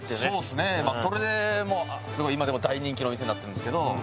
それで今でも大人気のお店になってるんですけど。